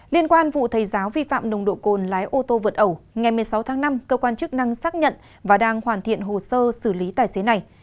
liên quan vụ thầy giáo vi phạm nồng độ cồn lái ô tô vượt ẩu ngày một mươi sáu tháng năm cơ quan chức năng xác nhận và đang hoàn thiện hồ sơ xử lý tài xế này